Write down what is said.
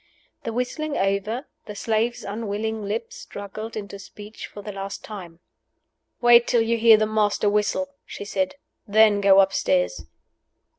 The whistling over, the slave's unwilling lips struggled into speech for the last time. "Wait till you hear the Master's whistle," she said; "then go upstairs."